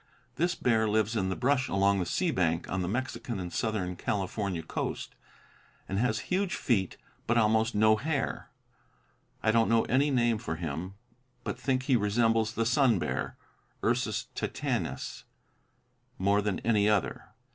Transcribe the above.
This bear lives in the brush along the sea bank on the Mexican and Southern California coast and has huge feet but almost no hair. I don't know any name for him, but think he resembles the "sun bear" (Ursus Titanus) more than any other.